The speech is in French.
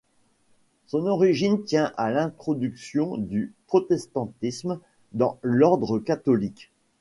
Son origine tient à l'introduction du protestantisme dans l'Ordre catholique.